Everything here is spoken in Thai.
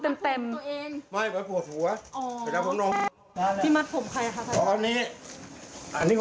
เวลาเราเป็นที่มาตรวงนี้